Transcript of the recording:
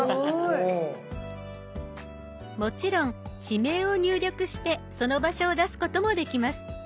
もちろん地名を入力してその場所を出すこともできます。